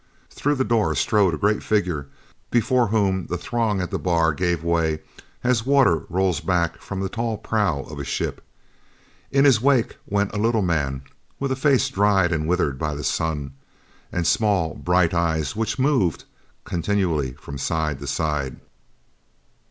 Through the door strode a great figure before whom the throng at the bar gave way as water rolls back from the tall prow of a ship. In his wake went a little man with a face dried and withered by the sun and small bright eyes which moved continually from side to side.